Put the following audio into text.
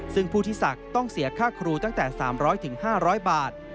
ซึ่งผู้ที่ศักดิ์ต้องเสียค่าครูตั้งแต่๓๐๐๕๐๐บาท